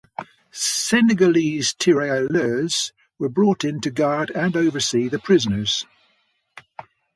Senegalese Tirailleurs were brought in to guard and oversee the prisoners.